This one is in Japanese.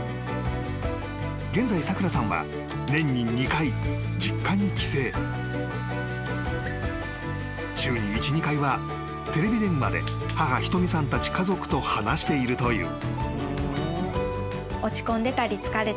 ［現在さくらさんは］［週に１２回はテレビ電話で母ひとみさんたち家族と話しているという］